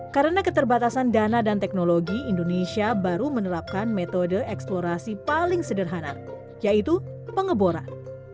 karena keterbatasan dana dan teknologi indonesia baru menerapkan metode eksplorasi paling sederhana yaitu pengeboran